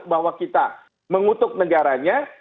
bahwa kita mengutuk negaranya